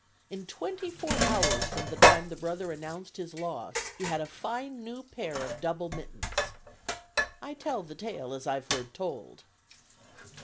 "In twenty four hours from the time the brother announced his loss he had a fine new pair of double mittens." "I tell the tale as I've heard told."